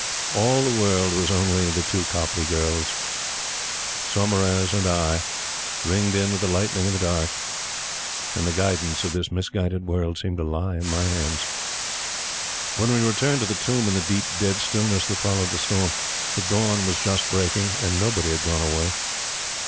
All the world was only the two Copleigh girls, Saumarez and I, ringed in with the lightning and the dark; and the guidance of this misguided world seemed to lie in my hands. When we returned to the tomb in the deep, dead stillness that followed the storm, the dawn was just breaking and nobody had gone away.